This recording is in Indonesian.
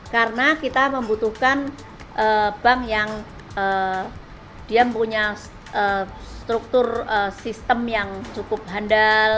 karena kita membutuhkan bank yang dia punya struktur sistem yang cukup handal